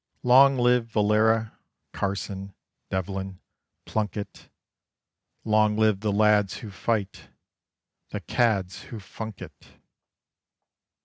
Long live Valera, Carson, Devlin, Plunkett! Long live the lads who fight, the cads who funk it!